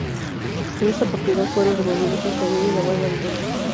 En esta oportunidad fueron removidos el cabello y la barba de Jason.